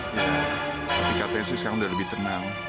ya tapi katanya sekarang sudah lebih tenang